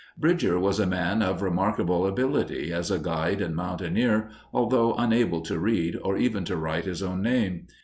Bridger was a man of remarkable ability as a guide and mountaineer, although unable to read, or even to write his own name.